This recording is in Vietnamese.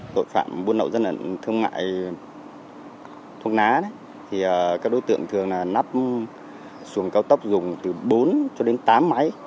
tội phạm buôn lậu gian lận thương mại thuốc ná các đối tượng thường nắp xuồng cao tốc dùng từ bốn cho đến tám máy